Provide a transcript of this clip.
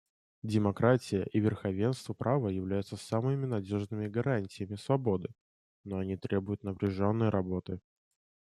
Демократия и верховенство права являются самыми надежными гарантиями свободы, но они требуют напряженной работы.